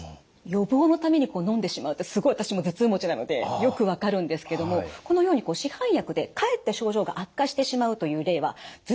予防のためにのんでしまうってすごい私も頭痛持ちなのでよく分かるんですけどもこのように市販薬でかえって症状が悪化してしまうという例は頭痛以外にもあるんです。